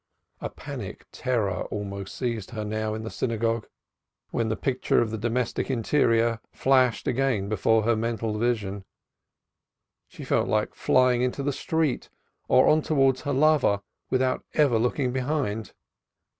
A panic terror almost seized her now, in the synagogue, when the picture of the domestic interior flashed again before her mental vision she felt like flying into the street, on towards her lover without ever looking behind.